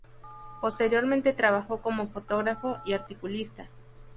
Posteriormente, trabajó como fotógrafo y articulista.